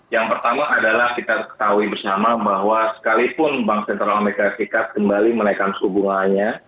yang pertama adalah kita ketahui bersama bahwa sekalipun bank sentral amerika serikat kembali menaikkan suku bunganya